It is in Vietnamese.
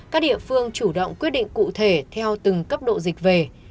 các địa phương chủ động quyết định cụ thể theo từng cấp độ dịch về